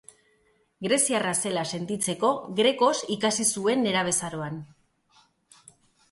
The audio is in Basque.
Greziarra zela sentitzeko, grekoz ikasi zuen nerabezaroan.